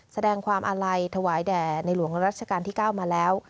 แสดงความอาลัยถวายแด่ในหลวงรัชกาลที่๙มาแล้ว